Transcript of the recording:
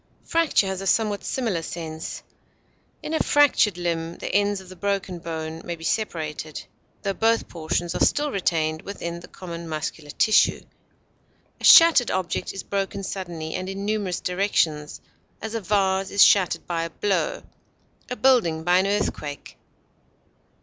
Fracture has a somewhat similar sense. In a fractured limb, the ends of the broken bone may be separated, tho both portions are still retained within the common muscular tissue. A shattered object is broken suddenly and in numerous directions; as, a vase is shattered by a blow, a building by an earthquake.